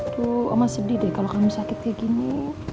tuh omah sedih deh kalau kamu sakit kayak gini